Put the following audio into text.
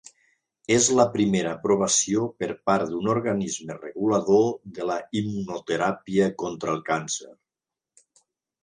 És la primera aprovació per part d'un organisme regulador de la immunoteràpia contra el càncer.